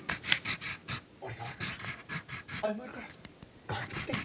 俺が悪かった。